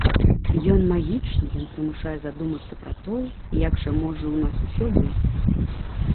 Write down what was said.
Ён магічны, ён прымушае задумацца пра тое, як жа можа ў нас усё быць.